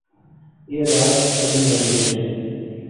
یہ رات کبھی نہ گزرے